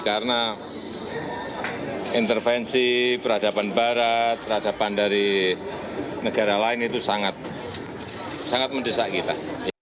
karena intervensi peradaban barat peradaban dari negara lain itu sangat mendesak kita